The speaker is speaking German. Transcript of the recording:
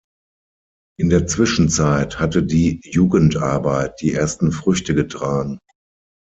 In der Zwischenzeit hatte die Jugendarbeit die ersten Früchte getragen.